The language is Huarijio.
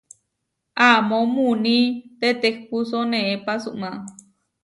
Amó muní tetehpúso neé pasumá.